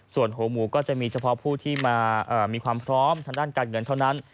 ส่วนหัวหมูก็จะมีเฉพาะผู้ที่มามีความพร้อมทางด้านการเงินเท่านั้น